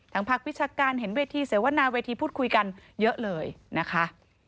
พักวิชาการเห็นเวทีเสวนาเวทีพูดคุยกันเยอะเลยนะคะ